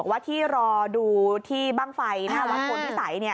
บอกว่าที่รอดูที่บ้างไฟในวักกลทิศัย